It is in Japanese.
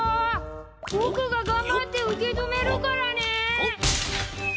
僕が頑張って受け止めるからね